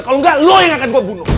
kalau enggak lo yang akan gue bunuh